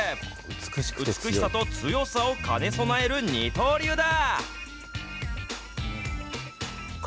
美しさと強さを兼ね備える二刀流だ。